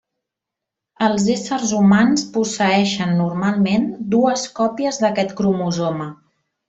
Els éssers humans posseeixen normalment dues còpies d'aquest cromosoma.